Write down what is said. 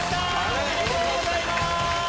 おめでとうございます！